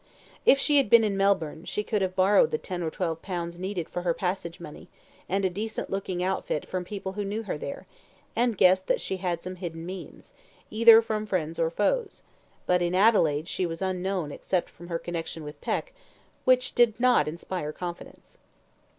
If she had been in Melbourne, she could have borrowed the ten or twelve pounds needed for her passage money, and a decent looking outfit from people who knew her there, and guessed that she had some hidden means, either from friends or foes; but in Adelaide she was unknown except from her connection with Peck, which did not inspire confidence.